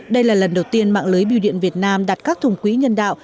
đây là lần đầu tiên mạng lưới biểu điện việt nam đặt các thùng quỹ nhân đạo